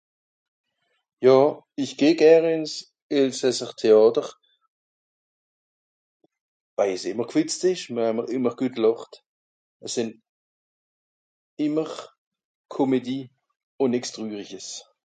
Jà, ìch geh gäre ìn s Elsässertheàter, weil s ìmmer gfìtzt ìsch, weil mr ìmmer guet làcht. Es sìn ìmmer Comédies ùn nìx trürisches